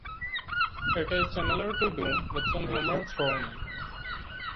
It is similar to "Doom", with some humor thrown in.